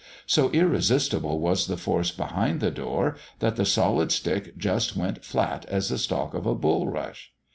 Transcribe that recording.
So irresistible was the force behind the door that the solid stick just went flat as a stalk of a bulrush.